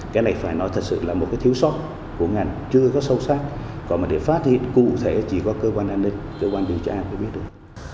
cái này phải nói thật sự là một cái thiếu sót của ngành chưa có sâu sắc còn mà để phát hiện cụ thể chỉ có cơ quan an ninh cơ quan điều tra mới biết được